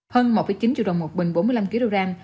hơn một chín triệu đồng một bình bốn mươi năm kg